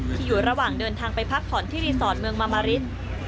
อยู่ระหว่างเดินทางไปพักผ่อนที่รีสอร์ทเมืองมามาริน